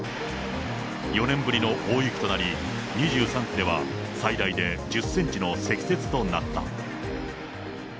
４年ぶりの大雪となり、２３区では最大で１０センチの積雪となった。